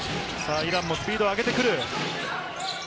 イランもスピードは上げてくる。